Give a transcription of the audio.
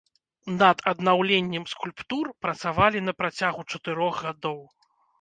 Над аднаўленнем скульптур працавалі на працягу чатырох гадоў.